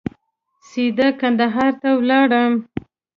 سیده کندهار ته ولاړم.